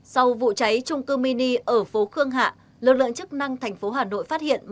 sau vụ cháy trung cư mini ở phố khương hạ lực lượng chức năng tp hà nội phát hiện